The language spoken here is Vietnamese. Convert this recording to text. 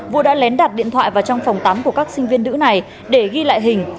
vũ đã lén đặt điện thoại vào trong phòng tắm của các sinh viên nữ này để ghi lại hình